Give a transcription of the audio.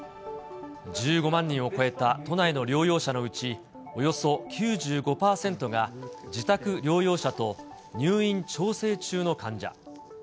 １５万人を超えた都内の療養者のうち、およそ９５％が、自宅療養者と入院調整中の患者。